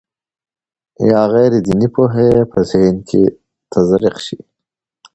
یا غیر دیني پوهه یې په ذهن کې تزریق شي.